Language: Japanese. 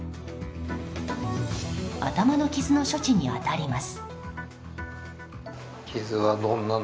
頭の傷の処置に当たります。